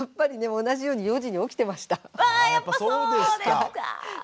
あやっぱそうですか。